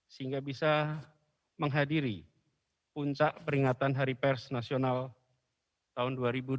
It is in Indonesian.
sehingga bisa menghadiri puncak peringatan hari pers nasional tahun dua ribu dua puluh